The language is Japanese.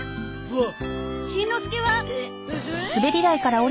おっ？